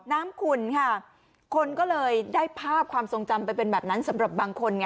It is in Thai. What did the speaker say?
ขุ่นค่ะคนก็เลยได้ภาพความทรงจำไปเป็นแบบนั้นสำหรับบางคนไง